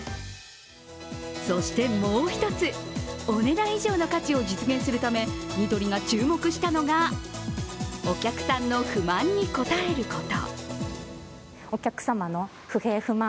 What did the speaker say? そしてもう一つ、お値段以上の価値を実現するためニトリが注目したのが、お客さんの不満に応えること。